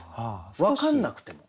分かんなくても。